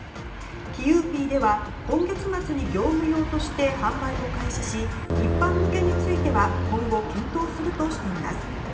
キユーピーでは今月末に業務用として販売を開始し一般向けについては今後、検討するとしています。